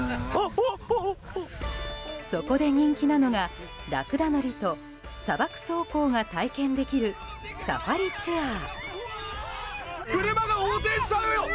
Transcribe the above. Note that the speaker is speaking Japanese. そこで人気なのがラクダ乗りと砂漠走行が体験できるサファリツアー。